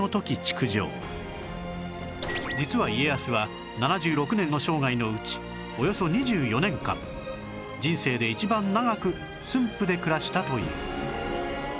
実は家康は７６年の生涯のうちおよそ２４年間人生で一番長く駿府で暮らしたという